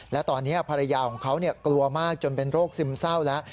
และตอนนี้ภรรยาของเขากลัวมากจนเป็นโรคซึมเศร้าแล้ว